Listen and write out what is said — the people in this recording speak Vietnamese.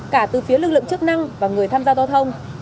cả từ phía lực lượng chức năng và người tham gia giao thông